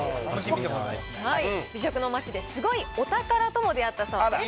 美食の街ですごいお宝とも出会ったそうです。